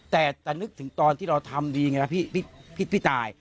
แต่นึกถึงตอนที่เราทำดีไงนะพี่ตาย